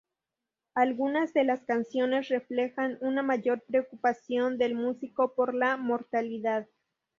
Algunas de las canciones reflejan una mayor preocupación del músico por la mortalidad.